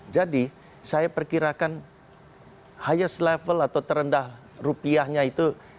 jadi saya perkirakan highest level atau terendah rupiahnya itu